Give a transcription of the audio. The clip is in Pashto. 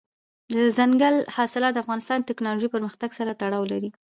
دځنګل حاصلات د افغانستان د تکنالوژۍ پرمختګ سره تړاو لري.